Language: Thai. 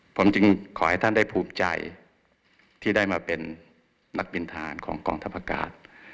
ผมจึงขอให้ท่านได้ภูมิใจที่ได้มาเป็นนักบินทานของกองทัพอากาศ